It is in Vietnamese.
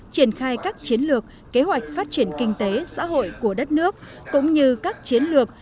triển khai các chiến lược kế hoạch phát triển kinh tế xã hội của đất nước